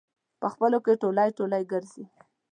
په خپلو کې ټولی ټولی ګرځي.